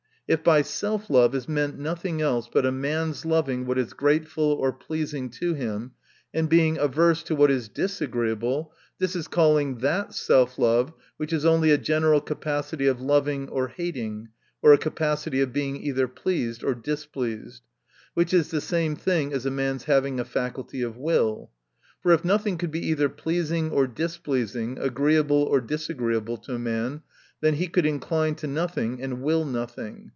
If by self love is meant nothing else but a man's loving what is grateful or pleasing to him, and being averse to' what is disagreeable, this is calling that self love, which is only a general capacity of loving, or hating ; or a capacity of being either pleased or displeased ; which is the same thing as a man's having a faculty of will. For if nothing could be either pleasing or displeasing, agreeable or disagreeable to a man, then he could incline to nothing, and will nothing.